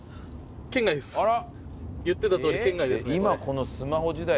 言ってたとおり圏外ですねこれ。